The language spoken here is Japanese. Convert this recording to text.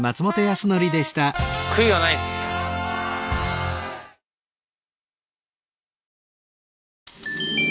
悔いはないっす。